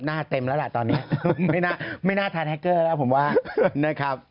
เต็มแล้วล่ะตอนนี้ไม่น่าทานแฮคเกอร์แล้วผมว่านะครับ